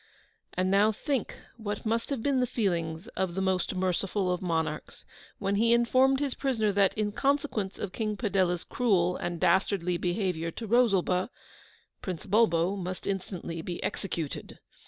And now think what must have been the feelings of the most MERCIFUL OF MONARCHS, when he informed his prisoner that, in consequence of King Padella's cruel and DASTARDLY BEHAVIOUR to Rosalba, Prince Bulbo must instantly be executed!